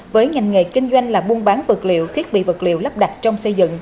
với ngành nghề kinh doanh là buôn bán vật liệu thiết bị vật liệu lắp đặt trong xây dựng